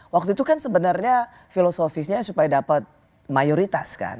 waktu itu kan sebenarnya filosofisnya supaya dapat mayoritas kan